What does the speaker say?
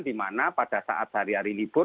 dimana pada saat sehari hari libur